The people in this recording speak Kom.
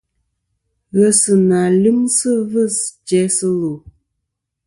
Ghesɨnà lyɨmsɨ ɨvɨs jæsɨ lù.